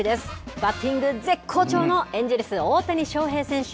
バッティング絶好調のエンジェルス、大谷翔平選手。